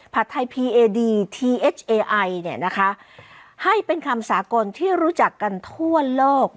ผัดไทยพีเอดีเนี้ยนะคะให้เป็นคำสากลที่รู้จักกันทั่วโลก